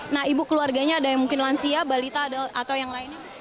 nah ibu keluarganya ada yang mungkin lansia balita atau yang lainnya